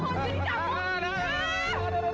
tidak tidak tidak